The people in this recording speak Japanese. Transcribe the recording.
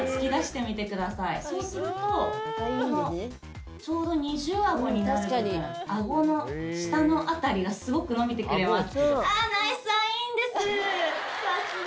そうするとこのちょうど二重アゴになる部分アゴの下の辺りがすごく伸びてくれます。